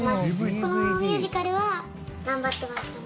このミュージカルは頑張ってましたね